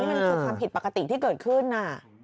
มันคือความผิดปกติที่เกิดขึ้น